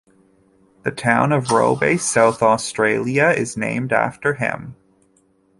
The town of Robe, South Australia is named after him.